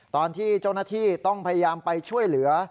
ตอนที่เจ้าหน้าที่ต้องพยายามไปช่วยเหลือ